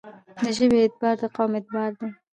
د ژبې اعتبار دقوم اعتبار دی.